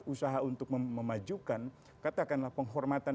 usaha untuk memajukan katakanlah penghormatan